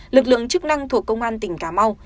lực lượng chức năng thuộc công an tỉnh cà mau